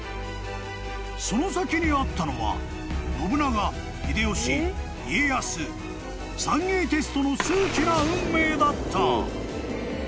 ［その先にあったのは信長秀吉家康三英傑との数奇な運命だった］